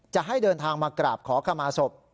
จะให้เดินทางมากราบขอขมาศพ